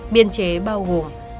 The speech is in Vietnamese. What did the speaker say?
biên chế bao gồm